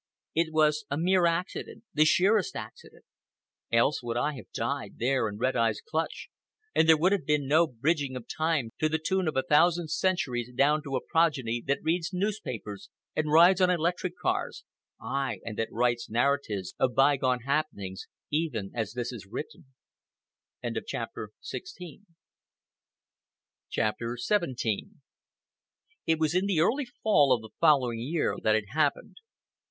It was a mere accident—the sheerest accident. Else would I have died, there in Red Eye's clutch, and there would have been no bridging of time to the tune of a thousand centuries down to a progeny that reads newspapers and rides on electric cars—ay, and that writes narratives of bygone happenings even as this is written. CHAPTER XVII It was in the early fall of the following year that it happened.